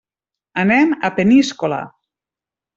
Anem a Peníscola.